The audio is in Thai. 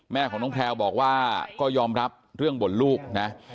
แม่ของน้องแพลวบอกว่าก็ยอมรับเรื่องบ่นลูกนะ